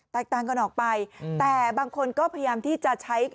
ต่างกันออกไปแต่บางคนก็พยายามที่จะใช้